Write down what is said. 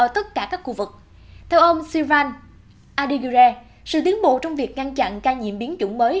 theo ông sylvain andighieri sự tiến bộ trong việc ngăn chặn ca nhiễm biến chủng mới